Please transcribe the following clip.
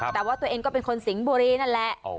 แต่ว่าตัวเองก็เป็นคนสิงห์บุรีนั่นแหละ